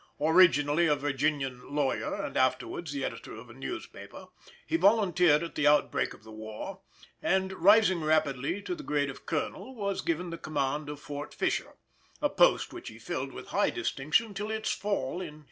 Originally a Virginian lawyer and afterwards the editor of a newspaper, he volunteered at the outbreak of the war, and rising rapidly to the grade of colonel was given the command of Fort Fisher, a post which he filled with high distinction till its fall in 1865.